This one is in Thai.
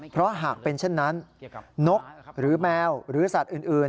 เพราะหากเป็นเช่นนั้นนกหรือแมวหรือสัตว์อื่น